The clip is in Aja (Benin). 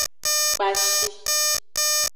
Kpashi.